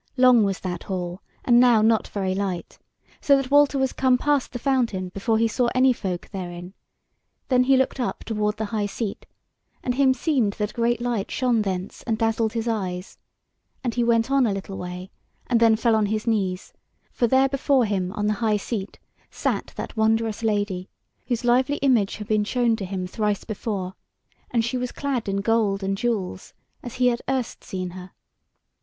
Long was that hall, and now not very light, so that Walter was come past the fountain before he saw any folk therein: then he looked up toward the high seat, and himseemed that a great light shone thence, and dazzled his eyes; and he went on a little way, and then fell on his knees; for there before him on the high seat sat that wondrous Lady, whose lively image had been shown to him thrice before; and she was clad in gold and jewels, as he had erst seen her.